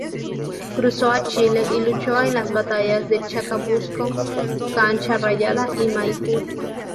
Cruzó a Chile y luchó en las batallas de Chacabuco, Cancha Rayada y Maipú.